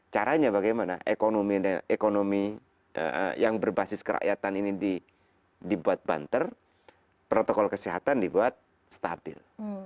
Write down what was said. caranya bagaimana ekonomi yang berbasis kerakyatan ini dibuat banter protokol kesehatan dibuat stabil